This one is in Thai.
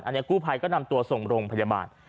อันนี้กู้ภัยก็นำตัวส่งโรงพยาบาล